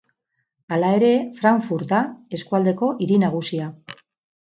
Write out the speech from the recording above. Hala ere, Frankfurt da eskualdeko hiri nagusia.